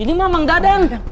ini mah mang dadang